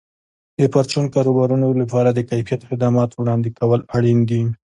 د پرچون کاروبارونو لپاره د کیفیت خدماتو وړاندې کول اړین دي.